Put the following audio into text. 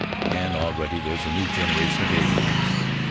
And already there's a new generation of aviators.